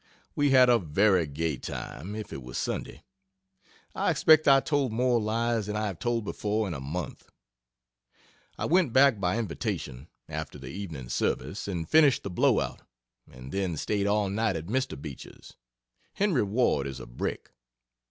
We had a very gay time, if it was Sunday. I expect I told more lies than I have told before in a month. I went back by invitation, after the evening service, and finished the blow out, and then staid all night at Mr. Beach's. Henry Ward is a brick.